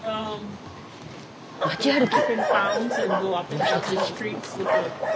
街歩き。